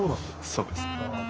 そうですね。